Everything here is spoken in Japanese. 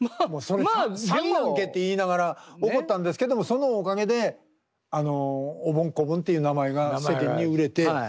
それ詐欺やんけって言いながら怒ったんですけどもでもそのおかげでおぼん・こぼんっていう名前が世間に売れて。